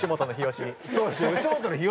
そうですよ。